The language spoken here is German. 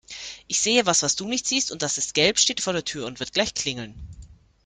Ich sehe was, was du nicht siehst und das ist gelb, steht vor der Tür und wird gleich klingeln.